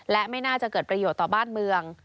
และไม่น่าจะเกิดประโยชน์ต่อบ้านเมือง